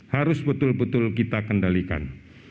harus betul betul kita kendalikan